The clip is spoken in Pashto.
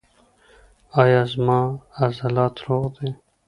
ایا زما عضلات روغ دي؟